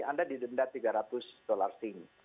anda didenda tiga ratus dolar asing